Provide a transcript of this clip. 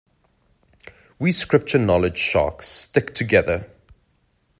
We Scripture-knowledge sharks stick together.